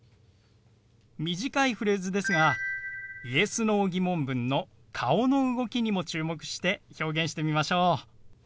短いフレーズですがＹｅｓ−Ｎｏ疑問文の顔の動きにも注目して表現してみましょう。